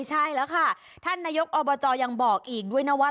ใช่แล้วค่ะท่านนายกอบจยังบอกอีกด้วยนะว่า